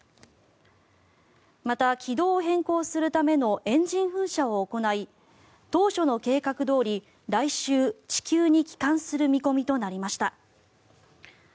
また、軌道を変更するためのエンジン噴射を行い当初の計画どおり来週、地球に帰還する見込みとなりました。